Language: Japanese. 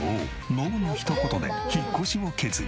ノブの一言で引っ越しを決意。